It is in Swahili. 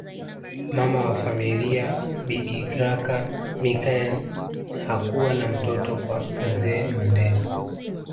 Mama wa familia bibi Graca Michael hakuwa na mtoto kwa mzee Mandela